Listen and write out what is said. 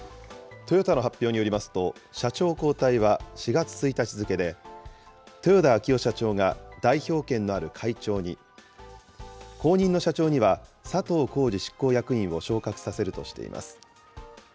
トヨタの発表によりますと、社長交代は、４月１日付けで、豊田章男社長が代表権のある会長に、後任の社長には、佐藤恒治執行役員を昇格させるとしています。